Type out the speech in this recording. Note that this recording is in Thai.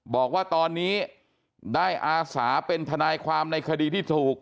บอกว่าตอนนี้ได้อาสาเป็นทนายความในคดีที่ถูก